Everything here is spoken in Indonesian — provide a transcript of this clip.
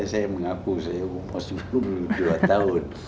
saya mengaku saya umur sembilan puluh dua tahun